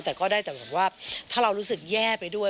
แต่ก็ได้แต่แบบว่าถ้าเรารู้สึกแย่ไปด้วย